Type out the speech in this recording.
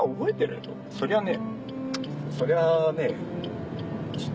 そりゃあね。